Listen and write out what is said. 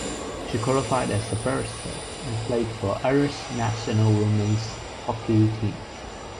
She qualified as a barrister and played for the Irish national women's hockey team.